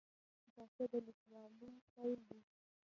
کتابچه د لیکوالۍ پیل دی